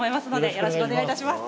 よろしくお願いします